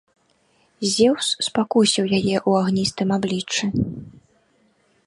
Зеўс спакусіў яе ў агністым абліччы.